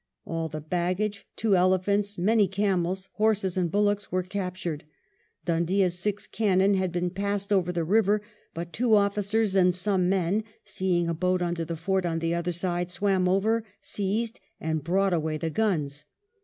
All the baggage, two elephants, many camels, horses, and bullocks, were captured. Dhoondiah's six cannon had been passed over the river, but two officers and some men, sqeing a boat under the fort on the other side, swam over, seized, and brought away the guns.